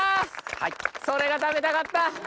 それが食べたかった！